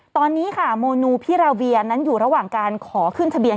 ตอนนี้ค่ะโมนูพิราเวียนั้นอยู่ระหว่างการขอขึ้นทะเบียน